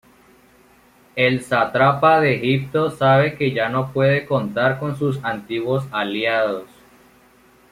El sátrapa de Egipto sabe que ya no puede contar con sus antiguos aliados.